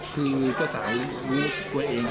คือเจ้าสาวรู้ตัวเอง